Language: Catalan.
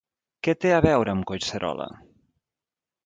Què té a veure amb Collserola?